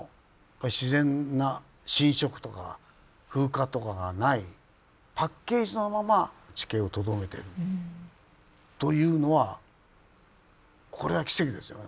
自然な侵食とか風化とかがないパッケージのまま地形をとどめてるというのはこれは奇跡ですよね。